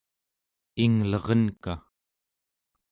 inglerenka